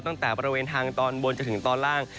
ตั้งแต่บริเวณทางตอนบนจนถึงตอนล่าง